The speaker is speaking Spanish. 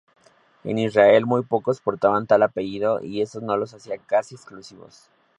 En Israel muy pocos portaban tal apellido y eso los hacía casi exclusivos.